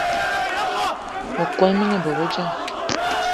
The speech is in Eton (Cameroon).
Me kon mina bobedjan.